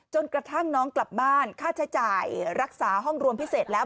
จนกระทั่งน้องกลับบ้านค่าใช้จ่ายรักษาห้องรวมพิเศษแล้ว